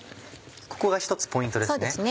ここが一つポイントですね。